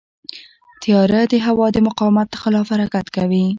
طیاره د هوا د مقاومت خلاف حرکت کوي.